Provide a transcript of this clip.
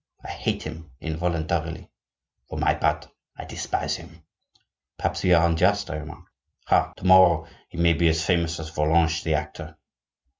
"I hate him involuntarily." "For my part, I despise him." "Perhaps we are unjust," I remarked. "Ha! to morrow he may be as famous as Volange the actor."